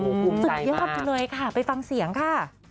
โอ้โหภูมิใจมากขอบคุณเลยค่ะไปฟังเสียงค่ะ